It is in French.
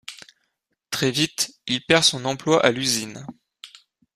Très vite, il perd son emploi à l'usine.